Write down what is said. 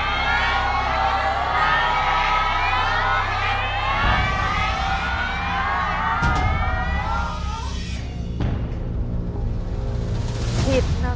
เจ้าชายศิษฐะทรงพนวทที่ริมฝั่งแม่น้ำใด